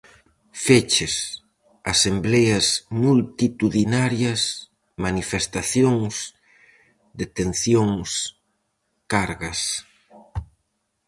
Feches, asembleas multitudinarias, manifestacións, detencións, cargas...